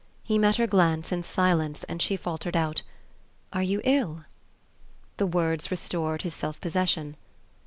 He met her glance in silence, and she faltered out, "Are you ill?" The words restored his self possession.